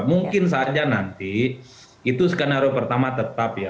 mungkin saja nanti itu skenario pertama tetap ya